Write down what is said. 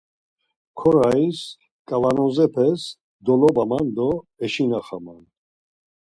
Korayis kavanozepes dolobaman do eşinaxaman.